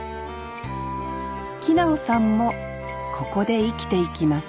木直さんもここで生きていきます